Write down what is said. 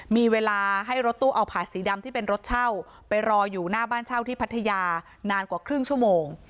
มีเวลาให้รถตู้เอาผาสีดำที่เป็นรถเช่าไปรออยู่หน้าบ้านเช่าที่พัทยานานกว่าครึ่งชั่วโมง